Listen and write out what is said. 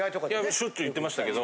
しょっちゅう行ってましたけど。